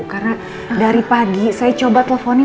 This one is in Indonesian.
karena dari pagi saya coba teleponin